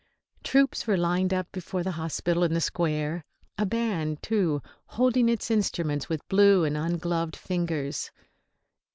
Troops were lined up before the hospital in the square; a band, too, holding its instruments with blue and ungloved fingers.